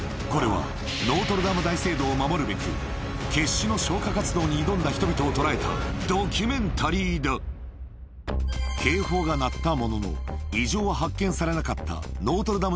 これはべく決死の消火活動に挑んだ人々を捉えたドキュメンタリーだ警報が鳴ったものの異常は発見されなかったノートルダム